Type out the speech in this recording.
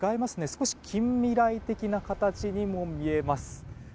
少し近未来的な形にも見えます。